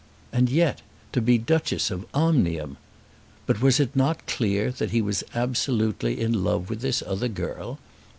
And yet to be Duchess of Omnium! But was it not clear that he was absolutely in love with this other girl?